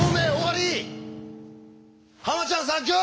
ハマちゃんサンキュー！